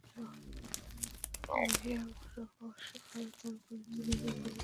ভূঁইয়া, মারুফ এবং শোয়েব তাদের বন্ধুরা এবং পরিবারের সাথে তাদের পরিকল্পনা ভাগ করে নিল।